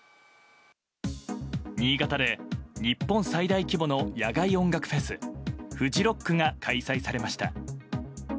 新潟で日本最大規模の野外音楽フェスフジロックが開催されました。